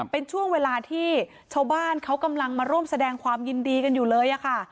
เป็นช่วงเวลาที่ชาวบ้านเขากำลังมาร่วมแสดงความยินดีกันอยู่เลยค่ะ